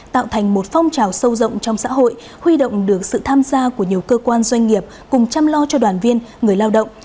tạo thành một phong trào sâu rộng trong xã hội huy động được sự tham gia của nhiều cơ quan doanh nghiệp cùng chăm lo cho đoàn viên người lao động